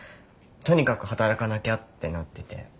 とにかく働かなきゃってなってて。